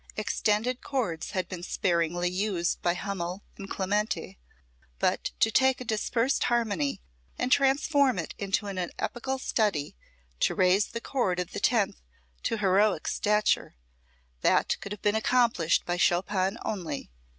Extended chords had been sparingly used by Hummel and Clementi, but to take a dispersed harmony and transform it into an epical study, to raise the chord of the tenth to heroic stature that could have been accomplished by Chopin only.